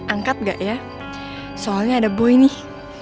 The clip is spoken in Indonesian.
angkat gak ya soalnya ada boy nih